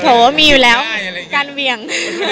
โหมีอยู่แล้วการเวียง